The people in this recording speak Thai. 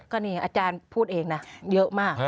ก็นี่อาจารย์พูดเองนะเยอะมาก